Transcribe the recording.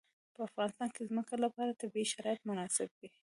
په افغانستان کې د ځمکه لپاره طبیعي شرایط مناسب دي.